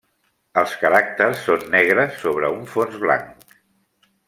Els caràcters són negres sobre un fons blanc.